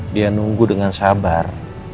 dia nunggu dengan sabar